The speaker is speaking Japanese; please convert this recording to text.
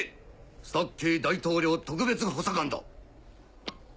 スタッキー大統領特別補佐官だ。